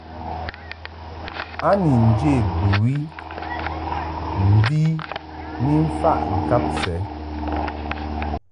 A ni njě bɨwi mvi ni mfa ŋkab sɛ.